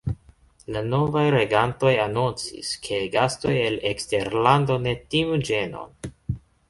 La novaj regantoj anoncis, ke gastoj el eksterlando ne timu ĝenon.